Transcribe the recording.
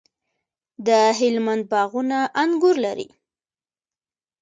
د هلمند باغونه انګور لري.